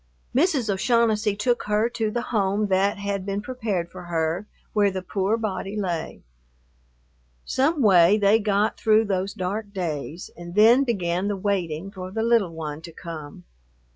Mrs. O'Shaughnessy took her to the home that had been prepared for her, where the poor body lay. Some way they got through those dark days, and then began the waiting for the little one to come.